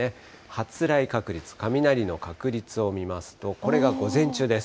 発雷確率、雷の確率を見ますと、これが午前中です。